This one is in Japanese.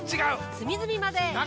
すみずみまで。